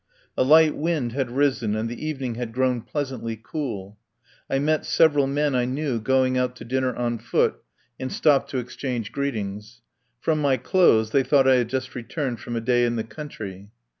A light wind had risen and the evening had grown pleasantly cool. I met several men I knew going out to dinner on foot and stopped to exchange greetings. From my clothes they thought I had just returned from a day in the country.